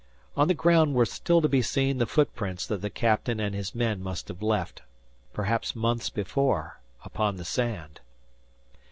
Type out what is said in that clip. On the ground were still to be seen the footprints that the captain and his men must have left, perhaps months before, upon the sand.